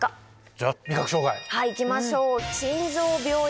じゃあ「味覚障害」。